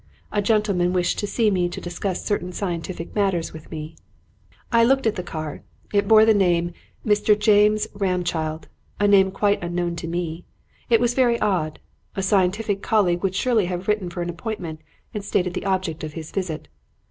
'A gentleman wished to see me to discuss certain scientific matters with me.' "I looked at the card. It bore the name of 'Mr. James Ramchild,' a name quite unknown to me. It was very odd. A scientific colleague would surely have written for an appointment and stated the object of his visit.